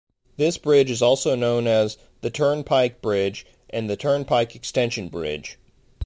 This bridge is also known as "The Turnpike Bridge" and "The Turnpike Extension Bridge".